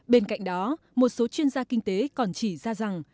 bên cạnh đó một số chuyên gia kinh tế còn chỉ ra rằng